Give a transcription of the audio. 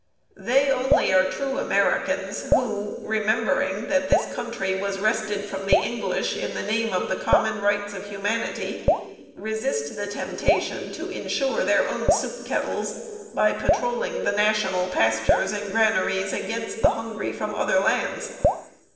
They only are true Americans who, remembering that this country was wrested from the English in the name of the common rights of humanity, resist the temptation to insure their own soup kettles by patrolling the national pastures and granaries against the hungry from other lands.